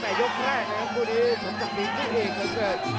กระโดยสิ้งเล็กนี่ออกกันขาสันเหมือนกันครับ